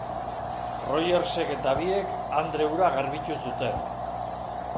Rogersek eta biek andre hura garbitu zuten.